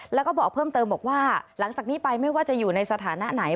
แล้วก็บอกเพิ่มเติมบอกว่าหลังจากนี้ไปไม่ว่าจะอยู่ในสถานะไหน